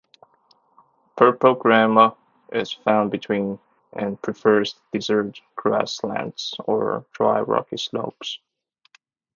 Purple grama is found between and prefers desert grasslands or dry rocky slopes.